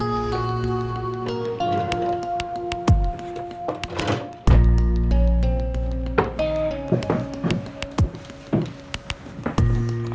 aku masih mungkin